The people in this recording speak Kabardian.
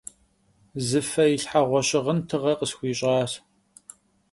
Zı fe yilhheğue şığın tığe khısxuiş'aş.